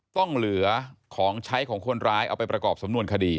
ต้องเหลือของใช้ของคนร้ายเอาไปประกอบสำนวนคดี